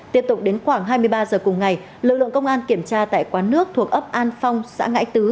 tiếp tục đến khoảng hai mươi ba h cùng ngày lực lượng công an kiểm tra tại quán nước thuộc ấp an phong xã ngãi tứ